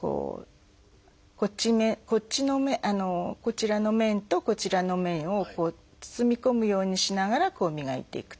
こちらの面とこちらの面を包み込むようにしながら磨いていく。